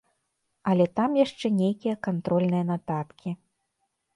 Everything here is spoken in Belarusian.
Але там яшчэ нейкія кантрольныя нататкі.